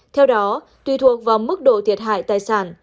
theo đó tùy thuộc vào mức độ thiệt hại tài sản